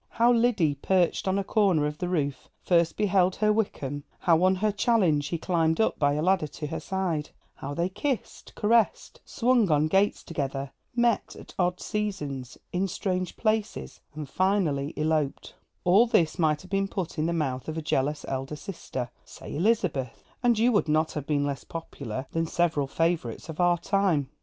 How Lyddy, perched on a corner of the roof, first beheld her Wickham; how, on her challenge, he climbed up by a ladder to her side; how they kissed, caressed, swung on gates together, met at odd seasons, in strange places, and finally eloped: all this might have been put in the mouth of a jealous elder sister, say Elizabeth, and you would not have been less popular than several favourites of our time.